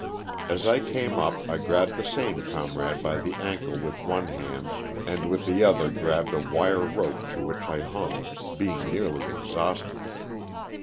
As I came up I grabbed the same comrade by the ankle with one hand and with the other grabbed a wire rope to which I hung, being nearly exhausted.